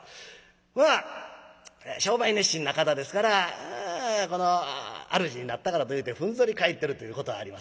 まあ商売熱心な方ですから主になったからというてふんぞり返ってるということはありません。